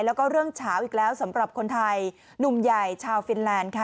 แล้วก็เรื่องเฉาอีกแล้วสำหรับคนไทยหนุ่มใหญ่ชาวฟินแลนด์ค่ะ